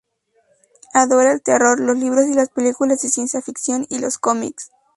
Adora el terror, los libros y las películas de ciencia ficción y los cómics.